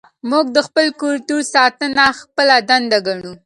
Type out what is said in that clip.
موږ د خپل کلتور ساتنه خپله دنده ګڼو.